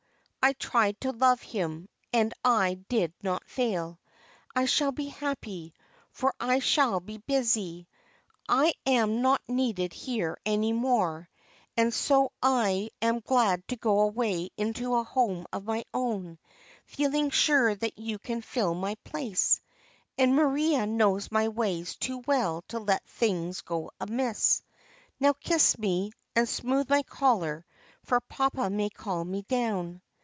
I tried to love him, and I did not fail. I shall be happy, for I shall be busy. I am not needed here any more, and so I am glad to go away into a home of my own, feeling sure that you can fill my place; and Maria knows my ways too well to let things go amiss. Now, kiss me, and smooth my collar, for papa may call me down."